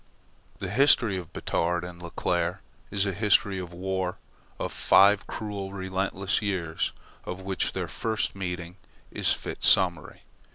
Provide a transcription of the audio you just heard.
The history of Batard and Leclere is a history of war of five cruel, relentless years, of which their first meeting is fit summary.